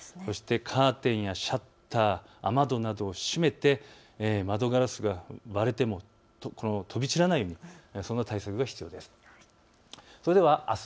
そしてカーテンやシャッター、雨戸などを閉めて窓ガラスが割れても、飛び散らないように、そんな対策が必要です。